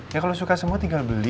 ya kalau suka semua tinggal beli